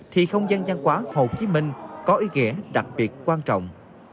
thì không gian giang quá hồ chí minh có ý nghĩa đặc biệt quan trọng